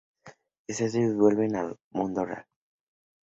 Eustace y Jill vuelven al mundo real.